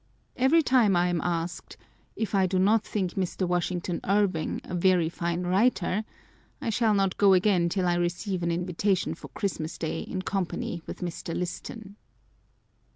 Every time I am asked, " If I do not think Mr. Washington Irving a very fine writer ?" I shall not go again till I receive an invitation for Christmas Day in company with Mr. Liston.